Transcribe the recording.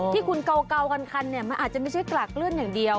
ที่คุณเกาคันเนี่ยมันอาจจะไม่ใช่กรากเลื่อนอย่างเดียว